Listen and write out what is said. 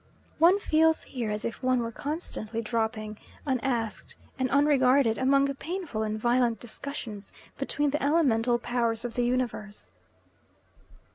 One feels here as if one were constantly dropping, unasked and unregarded, among painful and violent discussions between the elemental powers of the Universe.